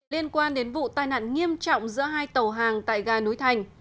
liên quan đến vụ tai nạn nghiêm trọng giữa hai tàu hàng tại gà núi thành